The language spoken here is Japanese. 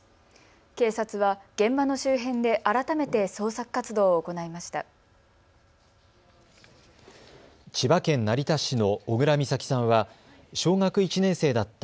警察は現場の周辺で改めて捜索活動を行いました。